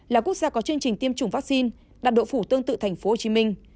là quốc gia có chương trình tiêm chủng vaccine đạt độ phủ tương tự tp hcm